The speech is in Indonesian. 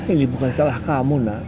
ini bukan salah kamu nak